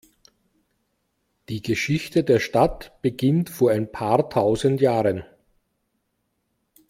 Die Geschichte der Stadt beginnt vor ein paar tausend Jahren.